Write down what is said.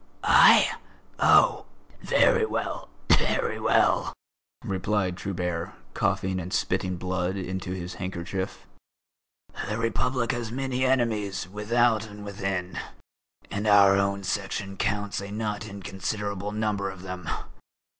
"I? Oh! Very well, very well!" replied Trubert, coughing and spitting blood into his handkerchief. "The Republic has many enemies without and within, and our own Section counts a not inconsiderable number of them.